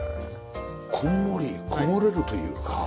こんもりこもれるというか。